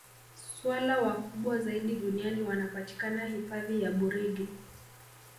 swala wakubwa zaidi duniani wanapatikana hifadhi ya burigi